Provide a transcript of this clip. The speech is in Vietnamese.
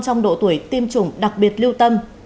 trong độ tuổi tiêm chủng đặc biệt lưu tâm